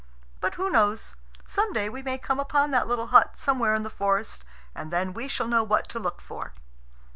But who knows? Some day we may come upon that little hut somewhere in the forest, and then we shall know what to look for.